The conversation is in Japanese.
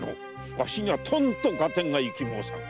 わしにはとんと合点がゆき申さぬ。